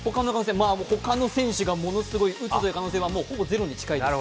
まあ、他の選手がものすごい打つという可能性はほぼゼロですが。